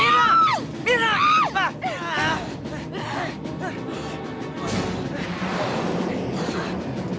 mirah mirah mirah